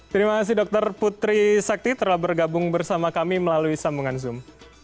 terima kasih dokter putri sakti telah bergabung bersama kami melalui sambungan zoom